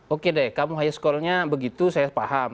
oke deh kamu highest call nya begitu saya paham